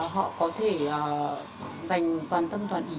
họ có thể dành toàn tâm toàn ý